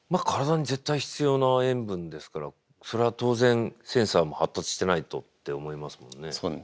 体に絶対必要な塩分ですからそれは当然センサーも発達してないとって思いますもんね。